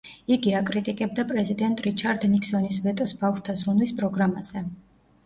იგი აკრიტიკებდა პრეზიდენტ რიჩარდ ნიქსონის ვეტოს ბავშვთა ზრუნვის პროგრამაზე.